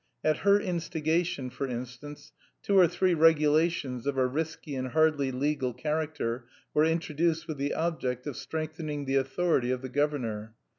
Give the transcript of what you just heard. At her instigation, for instance, two or three regulations of a risky and hardly legal character were introduced with the object of strengthening the authority of the governor.